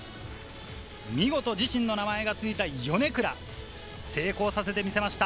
見事、自身の名前がついたヨネクラを成功させてみせました。